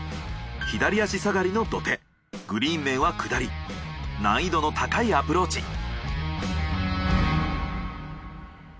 左足下がりの土手グリーン面は下り難易度の高いアプローチ。